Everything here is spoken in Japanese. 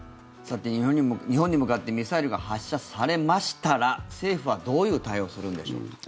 さて、日本に向かってミサイルが発射されましたら政府はどういう対応をするのでしょうか。